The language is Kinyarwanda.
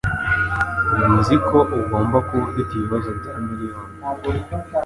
Nzi ko ugomba kuba ufite ibibazo bya miliyoni